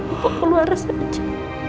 aku keluar saja